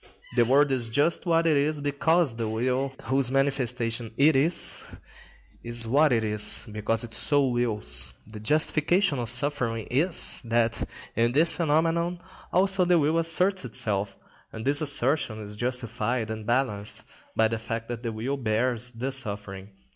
The world is just what it is because the will, whose manifestation it is, is what it is, because it so wills. The justification of suffering is, that in this phenomenon also the will asserts itself; and this assertion is justified and balanced by the fact that the will bears the suffering.